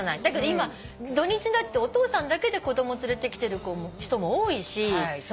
だけど今土日だってお父さんだけで子供連れてきてる人も多いし。